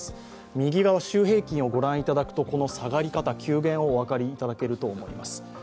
右側、週平均を御覧いただくと、下がり方、急減がお分かりいただけると思います。